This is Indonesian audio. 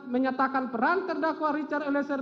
menyatakan peran terdakwa richard eliezer